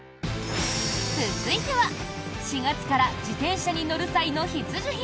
続いては、４月から自転車に乗る際の必需品！